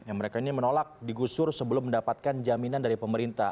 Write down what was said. yang mereka ini menolak digusur sebelum mendapatkan jaminan dari pemerintah